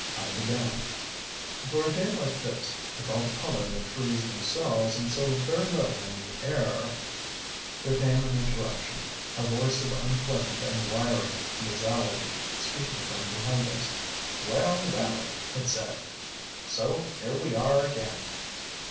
I began: "For a day like this, with all the colour in the trees themselves and so very little in the air " There came an interruption, a voice of unpleasant and wiry nasality, speaking from behind us. "WELL, WELL!" it said. "So here we are again!"